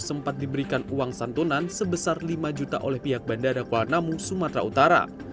sempat diberikan uang santunan sebesar lima juta oleh pihak bandara kuala namu sumatera utara